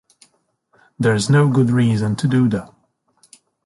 There's no good reason to do that.